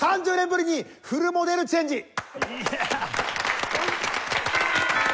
３０年ぶりにフルモデルチェンジ！